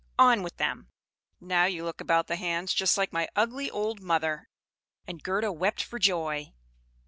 On with them! Now you look about the hands just like my ugly old mother!" And Gerda wept for joy.